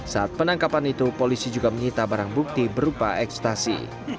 saat penangkapan itu polisi juga menyita barang bukti berupa ekstasi